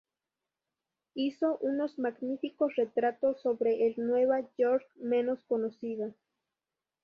Hizo unos magníficos retratos sobre el Nueva York menos conocido.